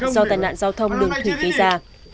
do tài nạn giao thông đường thủy gây ra